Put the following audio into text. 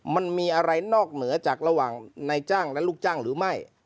มันมีอะไรนอกเหนือจากระหว่างนายจ้างและลูกจ้างหรือไม่